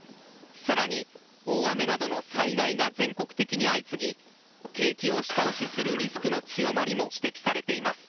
さらに、大雨などの災害が全国的に相次ぎ、景気を下押しするリスクの強まりも指摘されています。